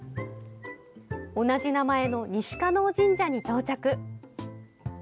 同じ名前の西叶神社に到着。